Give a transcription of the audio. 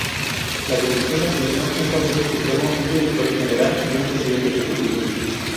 La dirección la asumió un Consejo supremo, un Directorio general y un presidente ejecutivo.